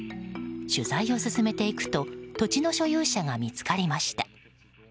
取材を進めていくと土地の所有者が見つかりました。